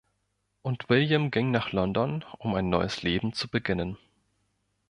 Und William ging nach London, um ein neues Leben zu beginnen.